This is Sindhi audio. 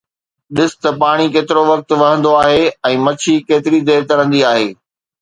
ڏس ته پاڻي ڪيترو وقت وهندو آهي ۽ مڇي ڪيتري دير ترندي آهي.